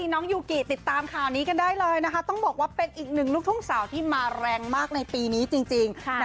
น้องยูกิติดตามข่าวนี้กันได้เลยนะคะต้องบอกว่าเป็นอีกหนึ่งลูกทุ่งสาวที่มาแรงมากในปีนี้จริง